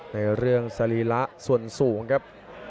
ในเรื่องสรีระส่วนสูงครับ